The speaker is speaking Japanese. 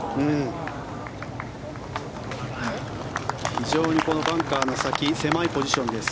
非常にバンカーの先狭いポジションです。